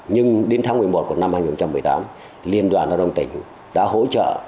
nhưng đến tháng một mươi một của năm hai nghìn một mươi tám liên đoàn lao động tỉnh đã hỗ trợ